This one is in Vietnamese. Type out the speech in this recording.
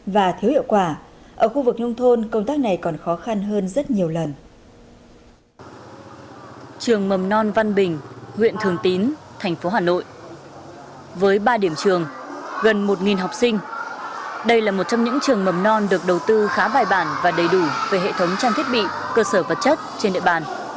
với ba điểm trường gần một học sinh đây là một trong những trường mầm non được đầu tư khá bài bản và đầy đủ về hệ thống trang thiết bị cơ sở vật chất trên địa bàn